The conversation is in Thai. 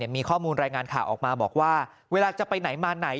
มีข้อมูลรายงานข่าวออกมาบอกว่าเวลาจะไปไหนมาไหน